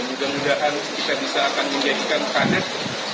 dan juga mudah mudahan kita bisa akan menjadikan kader